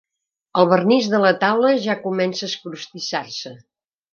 El vernís de la taula ja comença a escrostissar-se.